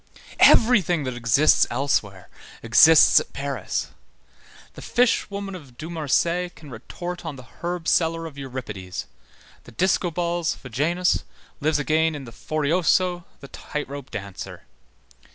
Everything that exists elsewhere exists at Paris. The fishwoman of Dumarsais can retort on the herb seller of Euripides, the discobols Vejanus lives again in the Forioso, the tight rope dancer.